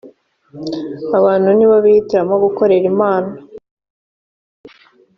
abantu ni bo bihitiramo gukorera imana